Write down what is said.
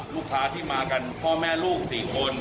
ลูกค้าที่มากันพ่อแม่ลูก๔คน